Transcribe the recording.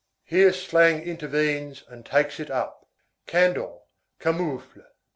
Here slang intervenes and takes it up: Candle, camoufle.